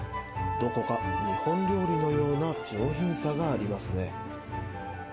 どこか日本料理のような上品さがありますね。